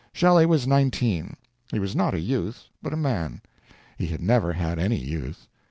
Shelley was nineteen. He was not a youth, but a man. He had never had any youth.